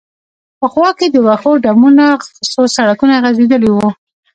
په خوا کې د وښو ډمونه، څو سړکونه غځېدلي و.